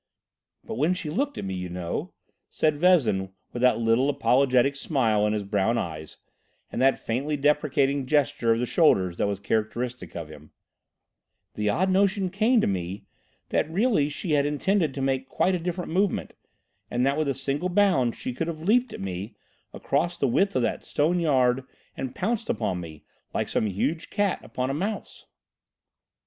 "But when she looked at me, you know," said Vezin, with that little apologetic smile in his brown eyes, and that faintly deprecating gesture of the shoulders that was characteristic of him, "the odd notion came to me that really she had intended to make quite a different movement, and that with a single bound she could have leaped at me across the width of that stone yard and pounced upon me like some huge cat upon a mouse."